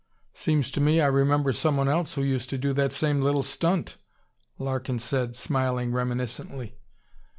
"Seems to me I remember someone else who used to do that same little stunt," Larkin said, smiling reminiscently.